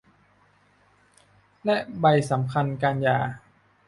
และใบสำคัญการหย่า